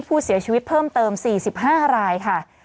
ผู้เสียชีวิตเพิ่มเติม๔๕รายค่ะ